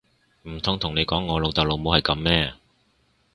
唔通同你講我老豆老母係噉咩！